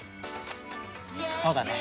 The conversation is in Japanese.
そうだね。